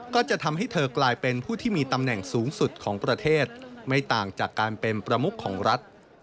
ก็จะทำให้เธอกลายเป็นผู้ที่มีตำแหน่งสูงสุดของประเทศไม่ต่างจากการเป็นประมุขของรัฐ